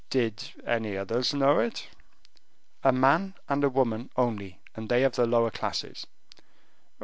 "Did any others know it?" "A man and a woman only, and they of the lower classes."